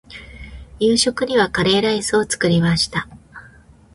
夕食にはカレーライスを作りました。